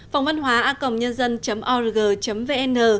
phòng văn hóa acomnhân dân org vn